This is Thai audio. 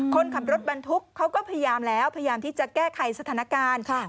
คนขับรถบรรทุกเขาก็พยายามแล้วพยายามที่จะแก้ไขสถานการณ์